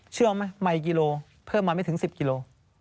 เชื่อไหมใหม่กิโลเพิ่มมาไม่ถึง๑๐กิโล